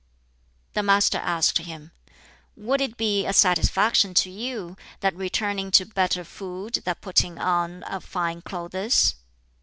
The Master asked him, "Would it be a satisfaction to you that returning to better food, that putting on of fine clothes?"